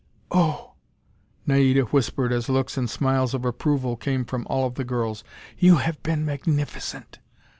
"Oh," Naida whispered as looks and smiles of approval came from all of the girls, "you have been magnificent!